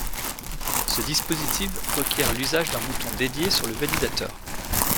Ce dispositif requiert l'usage d'un bouton dédié sur le valideur.